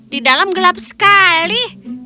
di dalam gelap sekali